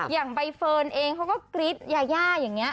อย่างใบเฟิร์นเองเขาก็กรี๊ดยาย่าอย่างนี้